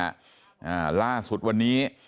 อ่าล่าสุดวันนี้